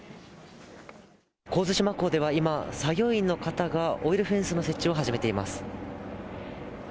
神津島港では、今、作業員の方がオイルフェンスの設置を始めています。